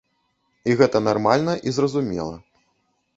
І гэта нармальна і зразумела.